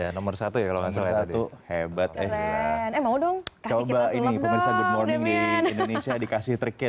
nomor satu ya kalau nggak salah itu hebat eh mau dong coba ini ini di indonesia dikasih triknya